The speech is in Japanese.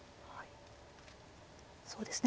そうですね